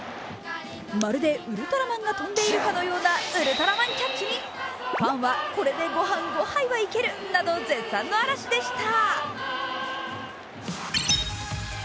まるでウルトラマンが飛んでいるかのようなウルトラマンキャッチにファンは、これで御飯５杯はいけるなど絶賛の嵐でした。